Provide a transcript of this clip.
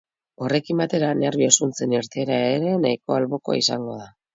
Horrekin batera, nerbio zuntzen irteera ere nahiko albokoa izango da.